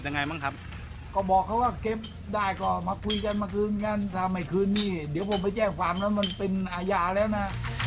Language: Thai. ยังไงบ้างครับก็บอกเขาว่าเก็บได้ก็มาคุยกันมาคืนกันถ้าไม่คืนนี่เดี๋ยวผมไปแจ้งความแล้วมันเป็นอาญาแล้วนะ